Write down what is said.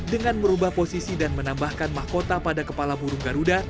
dengan merubah posisi dan menambahkan mahkota pada kepala burung garuda